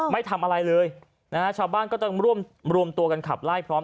ไม่ทำอะไรเลยชาวบ้านก็จะรวมตัวกันขับไล่พร้อม